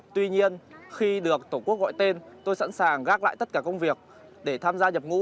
tuy nhiên khi được tổ quốc gọi tên tôi sẵn sàng gác lại tất cả công việc để tham gia nhập ngũ